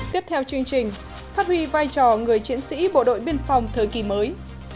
tiếp theo chương trình phát huy vai trò người chiến sĩ bộ đội biên phòng thời kỳ mới